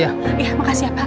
iya makasih ya fak